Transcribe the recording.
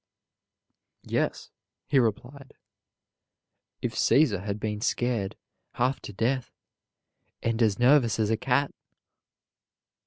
"Yes," he replied, "if Caesar had been scared half to death, and as nervous as a cat."